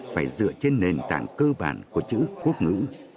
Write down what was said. phải dựa trên nền tảng cơ bản của chữ quốc ngữ